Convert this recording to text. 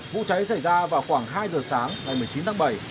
vụ cháy xảy ra vào khoảng hai giờ sáng ngày một mươi chín tháng bảy